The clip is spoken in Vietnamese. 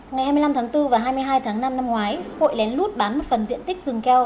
ngày hai mươi năm tháng bốn và hai mươi hai tháng năm năm ngoái hội lén lút bán một phần diện tích rừng keo